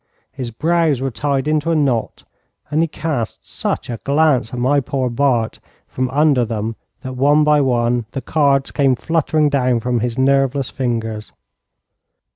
His brows were tied into a knot, and he cast such a glance at my poor Bart from under them that one by one the cards came fluttering down from his nerveless fingers.